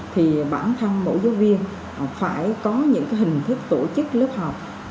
thì bản thân mỗi giáo viên phải có những hình thức tổ chức lớp học